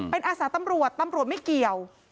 เป็นอาสาตำรวจตำรวจไม่เกี่ยว